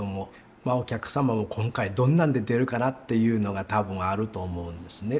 まあお客様も今回どんなんで出るかなっていうのが多分あると思うんですね。